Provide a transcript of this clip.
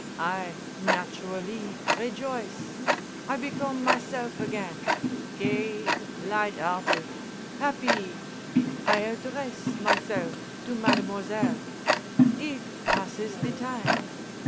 I, naturally, rejoice. I become myself again—gay, light 'earted, 'appy. I address myself to mademoiselle; it passes the time.